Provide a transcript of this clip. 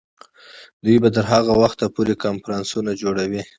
دوی به تر هغه وخته پورې کنفرانسونه جوړوي.